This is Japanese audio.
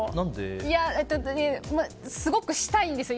すごくしたいんですよ。